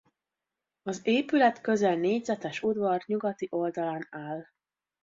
Az épület közel négyzetes udvar nyugati oldalán áll.